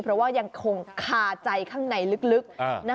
เพราะว่ายังคงคาใจข้างในลึก